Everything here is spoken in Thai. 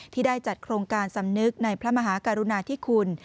ได้จัดโครงการสำนึกในพระมหากรุณาธิคุณ